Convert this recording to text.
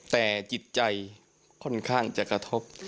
แต่จิตใจค่อนข้างจะกระทบ